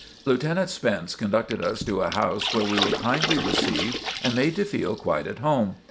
Lieutenant Spence conducted us to a house where we were kindly received and made to feel quite at home.